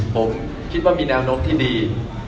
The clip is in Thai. ผมคิดว่ามีแนวโน้มที่ดี